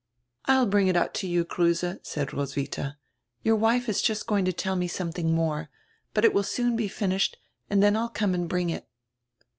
"I'll bring it out to you, Kruse," said Roswidia. "Your wife is just going to tell me somediing more; but it will soon be finished and dien I'll come and bring it."